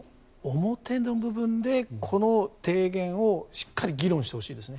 表の部分でこの提言をしっかり議論してほしいですね。